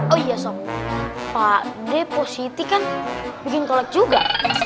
oh iya sob pak depo siti kan bikin kolak juga